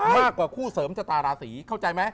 มากกว่าคู่เสริมชะตาราศีเข้าใจไหม